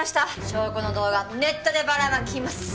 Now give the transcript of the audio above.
証拠の動画ネットでばらまきます。